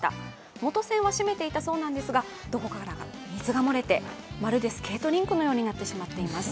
元栓は閉めていたそうなんですが、どこからか水が漏れてまるでスケートリンクのようになってしまっています。